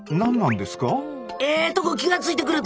ええとこ気がついてくれたわ。